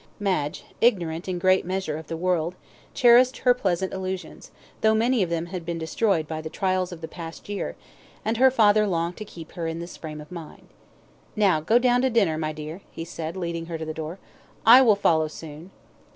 Madge, ignorant in a great measure of the world, cherished her pleasant illusions, though many of them had been destroyed by the trials of the past year, and her father longed to keep her in this frame of mind. "Now go down to dinner, my dear," he said, leading her to the door. "I will follow soon."